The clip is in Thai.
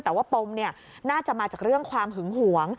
แต่ว่าปมน่าจะมาจากเรื่องความหึงหวง